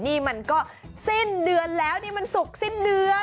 นี่มันก็สิ้นเดือนแล้วนี่มันศุกร์สิ้นเดือน